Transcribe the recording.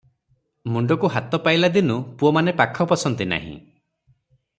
ମୁଣ୍ତକୁ ହାତ ପାଇଲା ଦିନୁ ପୁଅମାନେ ପାଖ ପଶନ୍ତି ନାହିଁ ।